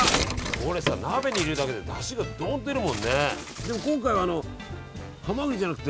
これさ鍋に入れるだけでだしがどんと出るもんね。